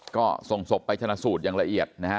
ก็ส่งศพไปชนะสูตรอย่างละเอียดนะฮะ